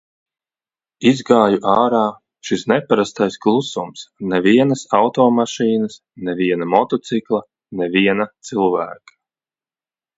Izgāju ārā, šis neparastais klusums, nevienas automašīnas, ne viena motocikla, ne viena cilvēka.